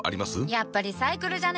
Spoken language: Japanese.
やっぱリサイクルじゃね？